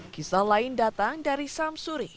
kisah lain datang dari samsuri